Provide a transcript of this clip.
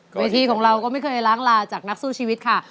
ของเราก็ไม่เคยล้างลาจากนักสู้ชีวิตค่ะ